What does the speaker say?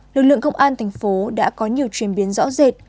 những năm qua lực lượng công an thành phố đã có nhiều chuyển biến rõ rệt